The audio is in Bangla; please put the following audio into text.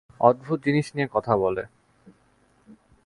অদ্ভুত জিনিস নিয়ে কথা বলে।